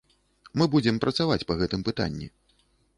Мы будзем працаваць па гэтым пытанні.